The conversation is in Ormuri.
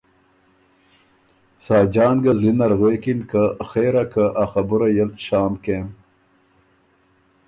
ساجان ګه زلی نر غوېکِن که خېرا که ا خبُرئ ال شام کېم